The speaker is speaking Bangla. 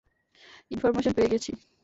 ইনফরমেশন পেয়ে গেছি।